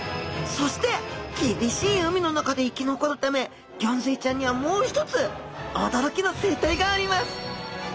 そして厳しい海の中で生き残るためギョンズイちゃんにはもう一つ驚きの生態があります